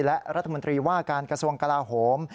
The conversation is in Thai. และรัฐมนตรีว่าการกระทรวงกลาโหม